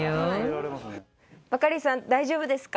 バカリさん、大丈夫ですか？